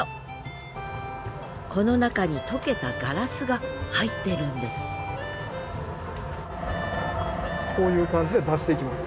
この中に溶けたガラスが入っているんですこういう感じで出していきます。